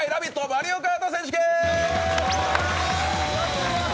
マリオカート選手権！